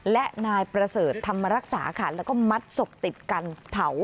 และนายประเสริฐธรรมรักษาค่ะแล้วก็มัดศพติดกันเผา